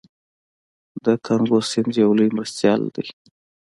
د کانګو سیند یو لوی مرستیال دی.